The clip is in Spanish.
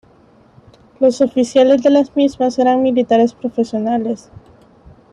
Los oficiales de las mismas eran militares profesionales.